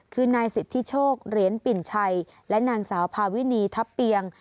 คือนายสิทธิโชคเหรียญปิ่นชัยและนางสาวพาวินีทัพเปียง